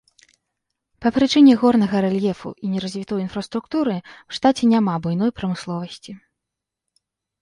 Па прычыне горнага рэльефу і неразвітой інфраструктуры ў штаце няма буйной прамысловасці.